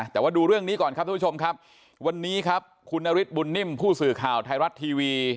แต่ว่าดูเรื่องนี้ก่อนครับทุกผู้ชมครับวันนี้ครับคุณนฤทธบุญนิ่มผู้สื่อข่าวไทยรัฐทีวี